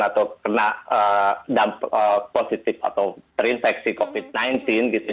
atau kena dampak positif atau terinfeksi covid sembilan belas gitu